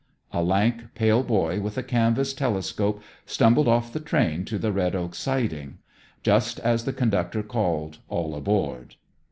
A lank, pale boy with a canvas telescope stumbled off the train to the Red Oak siding, just as the conductor called, "All aboard!"